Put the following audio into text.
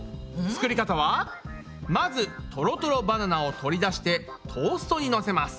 作り方はまずトロトロバナナを取り出してトーストにのせます。